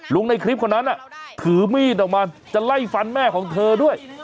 ในคลิปคนนั้นถือมีดออกมาจะไล่ฟันแม่ของเธอด้วย